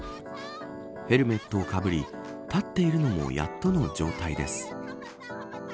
ヘルメットをかぶり立っているのもやっとの状態です。